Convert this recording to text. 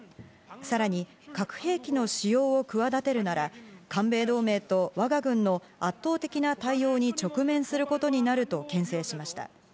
さらに核兵器の使用を企てるなら、韓米同盟と我が軍の圧倒的な対応に直面することになるとけん制しました。